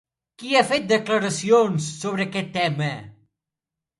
Qui ha fet declaracions sobre aquest tema?